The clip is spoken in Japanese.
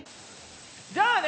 じゃあね